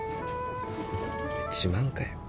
自慢かよ。